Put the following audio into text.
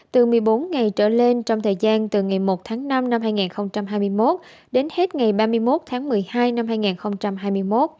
từ một mươi bốn ngày trở lên trong thời gian từ ngày một tháng năm năm hai nghìn hai mươi một đến hết ngày ba mươi một tháng một mươi hai năm hai nghìn hai mươi một